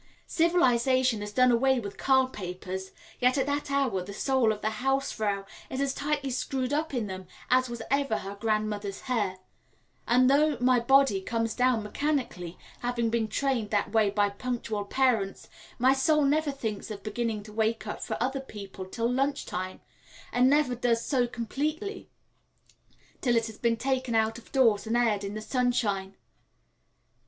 Civilisation has done away with curl papers, yet at that hour the soul of the Hausfrau is as tightly screwed up in them as was ever her grandmother's hair; and though my body comes down mechanically, having been trained that way by punctual parents, my soul never thinks of beginning to wake up for other people till lunch time, and never does so completely till it has been taken out of doors and aired in the sunshine.